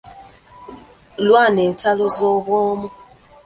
Lwana entalo zo bw'omu.